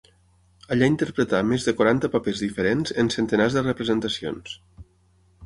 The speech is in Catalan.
Allà interpretà més de quaranta papers diferents en centenars de representacions.